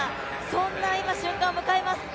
そんな今、瞬間を迎えます。